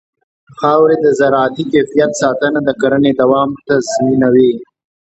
د خاورې د زراعتي کیفیت ساتنه د کرنې دوام تضمینوي.